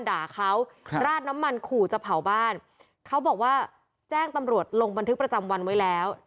ด่าเขาครับราดน้ำมันขู่จะเผาบ้านเขาบอกว่าแจ้งตำรวจลงบันทึกประจำวันไว้แล้ว